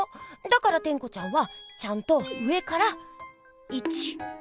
だからテンコちゃんはちゃんとうえから１２３。